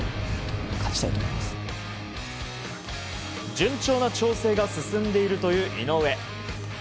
順調な調整が進んでいるという井上。